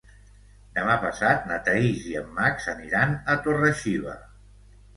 Demà passat na Thaís i en Max aniran a Torre-xiva.